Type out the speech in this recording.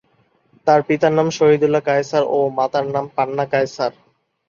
তার পিতার নাম শহীদুল্লাহ কায়সার ও মাতার নাম পান্না কায়সার।